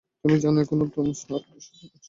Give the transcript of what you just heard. তুমি জানো এখন তমিজ নাড়ু কে শাসন করছে?